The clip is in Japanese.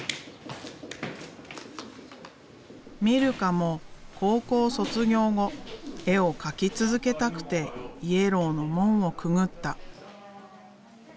ミルカも高校卒業後絵を描き続けたくてＹＥＬＬＯＷの門をくぐった。